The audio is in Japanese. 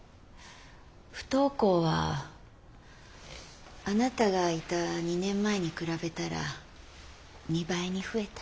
不登校はあなたがいた２年前に比べたら２倍に増えた。